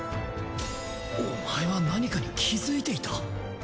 お前は何かに気付いていた？